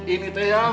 ini tuh ya